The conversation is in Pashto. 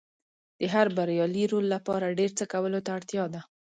د هر بریالي رول لپاره ډېر څه کولو ته اړتیا ده.